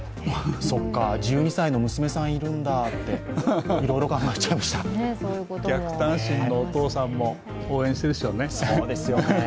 そっか、１２歳の娘さんいるんだって、逆単身のお父さんも応援してるでしょうね。